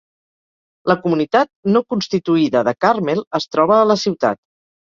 La comunitat no constituïda de Carmel es troba a la ciutat.